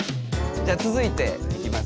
じゃあ続いていきますか。